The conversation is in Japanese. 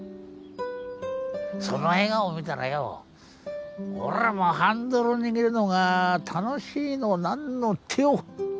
その笑顔見たらよおらもハンドル握るのが楽しいのなんのってよ。